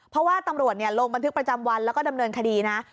เพราะว่าตำรวจลงบันทึกประจำวันแล้วก็ดำเนินคดีนะ